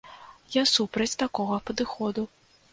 Я супраць такога падыходу.